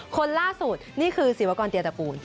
คนล่าสุดนี่คือศิวากรเตียตระกูล